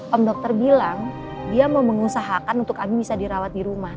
om dokter bilang dia mau mengusahakan untuk kami bisa dirawat di rumah